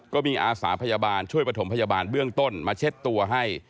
ก็มีอาสาพยาบาลช่วยประถมพยาบาลเบื้องต้นมาเช็ดตัวให้